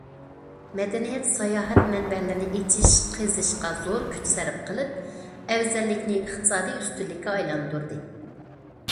مەدەنىيەت ساياھەت مەنبەلىرىنى ئېچىش قېزىشقا زور كۈچ سەرپ قىلىپ ئەۋزەللىكنى ئىقتىسادىي ئۈستۈنلۈككە ئايلاندۇردى.